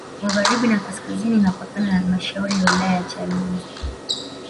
Magharibi na kaskazini inapakana na Halmashauri ya wilaya ya Chalinze